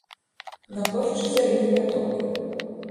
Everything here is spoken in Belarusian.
На плошчы заліты каток.